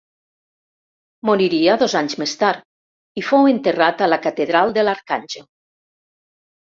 Moriria dos anys més tard i fou enterrat a la Catedral de l'Arcàngel.